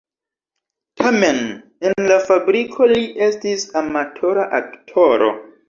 Tamen en la fabriko li estis amatora aktoro.